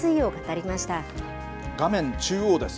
画面中央です。